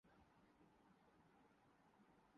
اگر کسی کا جانی نقصان ہوتا ہے تو پورا نہیں کی جا سکتی